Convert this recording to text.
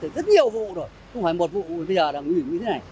rất nhiều vụ rồi không phải một vụ mà bây giờ đang bị như thế này